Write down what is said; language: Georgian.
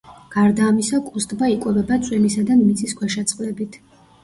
გარდა ამისა, კუს ტბა იკვებება წვიმისა და მიწისქვეშა წყლებით.